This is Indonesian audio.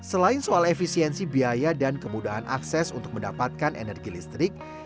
selain soal efisiensi biaya dan kemudahan akses untuk mendapatkan energi listrik